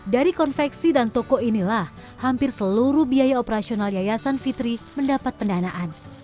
dari konveksi dan toko inilah hampir seluruh biaya operasional yayasan fitri mendapat pendanaan